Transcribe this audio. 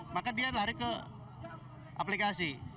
maka dia lari ke aplikasi